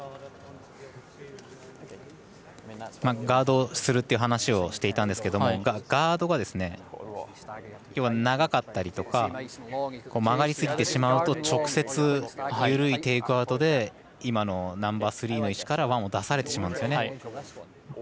ガードするという話をしていたんですけどガードが長かったりとか曲がりすぎてしまうと直接緩いテイクアウトでナンバースリーの石からワンを出されてしまうんですよね。